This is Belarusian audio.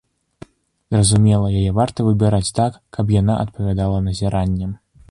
Зразумела, яе варта выбіраць так, каб яна адпавядала назіранням.